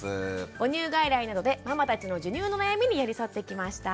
母乳外来などでママたちの授乳の悩みに寄り添ってきました。